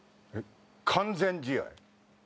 完全試合。